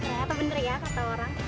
atau bener ya kata orang